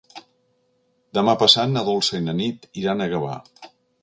Demà passat na Dolça i na Nit iran a Gavà.